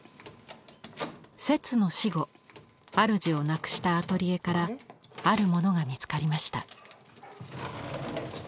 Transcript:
摂の死後あるじを亡くしたアトリエからあるものが見つかりました。